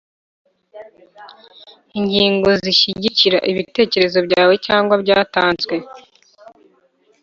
– Ingingo zishyigikira ibitekezo byawe cyangwa byatanzwe.